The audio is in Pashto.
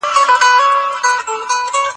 تاسي ولي دونه بې غرضه او بې فکره غلي ناست سواست؟